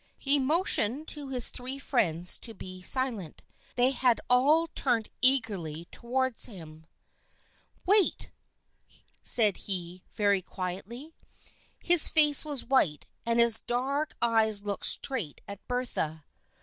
He motioned to his three friends to be silent. They had all turned eagerly towards him. THE FRIENDSHIP OF ANNE 207 " Wait I " said he, very quietly. His face was white and his dark eyes looked straight at Bertha.